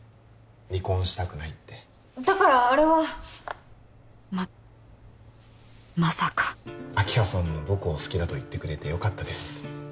離婚したくないってだからあれはままさか明葉さんも僕を好きだと言ってくれてよかったです